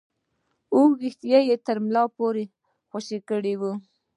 اوږده ويښته يې تر ملا پورې خوشې کړي وو.